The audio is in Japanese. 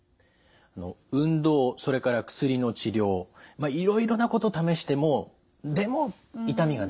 運動それから薬の治療いろいろなこと試してもでも痛みがね